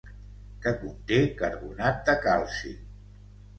Que conté carbonat de calci.